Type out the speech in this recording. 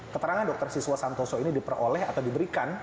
keterangan dokter siswo santoso ini diperoleh atau diberikan